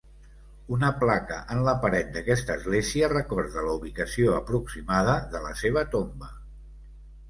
Una placa en la paret d'aquesta església recorda la ubicació aproximada de la seva tomba.